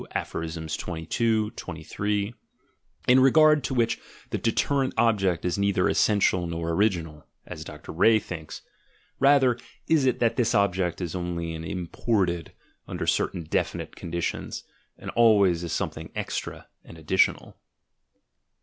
Aphs. 22, 23, in regard to which the deterrent object is neither essential nor original (as Dr. Ree thinks:— rather is it that this object is only imported, under certain definite conditions, and always as something extra and additional).